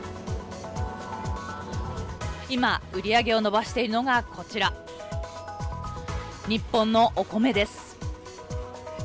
今、売り上げを伸ばしているのがこちら、日本のお米です。